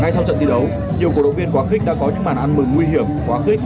ngay sau trận thi đấu nhiều cổ động viên quá khích đã có những màn ăn mừng nguy hiểm quá khích